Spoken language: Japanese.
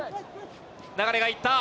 流が行った。